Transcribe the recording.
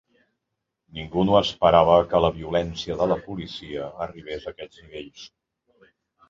Ningú no esperava que la violència de la policia arribés a aquests nivells.